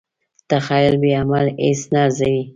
تخیل بې عمله هیڅ نه ارزوي.